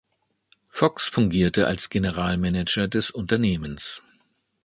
Fox fungierte als Generalmanager des Unternehmens.